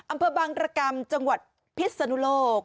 อำเภอบางรกรรมจังหวัดพิศนุโลก